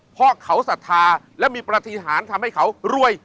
เพราะเขาสัทธาและมีประธิษฐานทำให้เขารวย